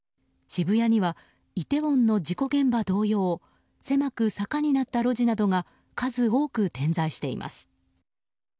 渋谷にはイテウォンの事故現場同様狭く、坂になった路地などが数多く点在しています。